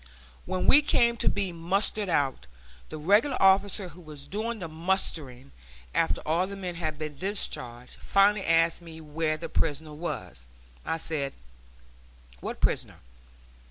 When we came to be mustered out, the regular officer who was doing the mustering, after all the men had been discharged, finally asked me where the prisoner was. I said, "What prisoner?"